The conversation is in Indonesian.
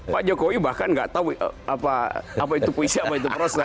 pak jokowi bahkan gak tahu apa itu puisi apa itu proses